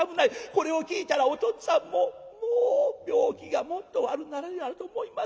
これを聞いたらおとっつぁんももう病気がもっと悪なると思います。